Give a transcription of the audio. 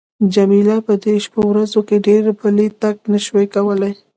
جميله په دې شپو ورځو کې ډېر پلی تګ نه شوای کولای.